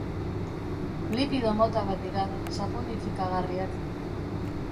Lipido mota bat dira, saponifikagarriak.